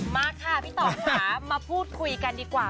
มาค่ะพี่ต่อค่ะมาพูดคุยกันดีกว่า